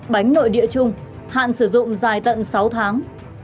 bánh nội địa chung hạn sử dụng dài tận sáu tháng